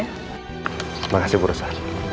terima kasih purwosa